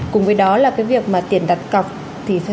cùng với đó là cái việc mà tiền đặt cọc thì phải